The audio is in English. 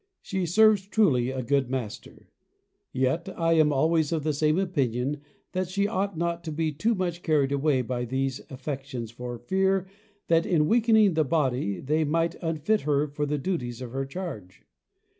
She serves truly a good Master; yet I am always of the same opinion that she ought not to be too much carried away by these affections for fear that in weakening the body they might unfit her for the duties of her charge.